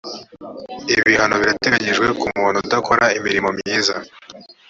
ibihano birategerejweku muntu udakora imirimo myiza